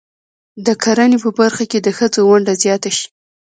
د کرنې په برخه کې د ښځو ونډه زیاته شي.